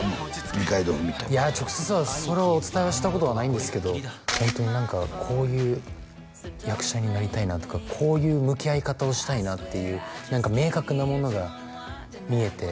二階堂ふみといやあ直接はそれをお伝えはしたことはないんですけどホントに何かこういう役者になりたいなとかこういう向き合い方をしたいなっていう何か明確なものが見えて